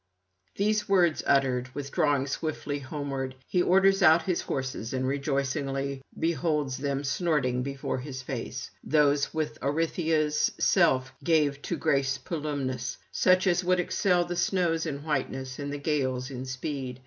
These words uttered, withdrawing swiftly homeward, he orders out his horses, and rejoicingly beholds them snorting before his face: those that Orithyia's self gave to grace Pilumnus, such as would excel the snows in whiteness and the gales in speed.